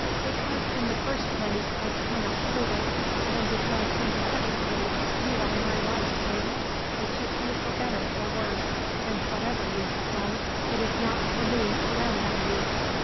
"Because in the first place I cannot prove it, and because in the second case you are my wife, Jane. I took you for better or worse, and whatever you have done it is not for me to round on you.